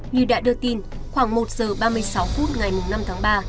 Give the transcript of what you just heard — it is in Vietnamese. như đã đưa tin khoảng một giờ ba mươi sáu phút ngày năm tháng ba